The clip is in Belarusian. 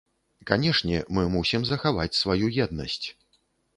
Канешне, мы мусім захаваць сваю еднасць.